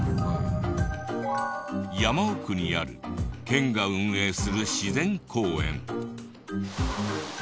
山奥にある県が運営する自然公園。